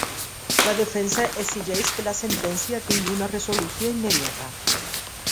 La defensa exigeix que la sentència tingui una resolució immediata